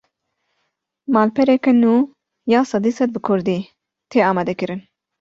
Malpereke nû ya sedî sed bi Kurdî, tê amadekirin